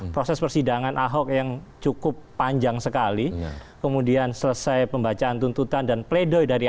proses persidangan ahok yang cukup panjang sekali kemudian selesai pembacaan tuntutan dan pledoi dari ahok